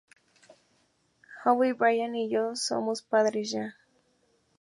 Howie, Brian y yo somos padres ya.